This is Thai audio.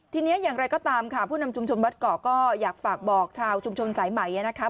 ทีนี้อย่างไรก็ตามค่ะผู้นำชุมชนวัดเกาะก็อยากฝากบอกชาวชุมชนสายไหมนะคะ